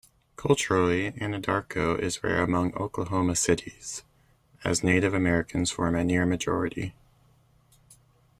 Culturally, Anadarko is rare among Oklahoma cities as Native Americans form a near-majority.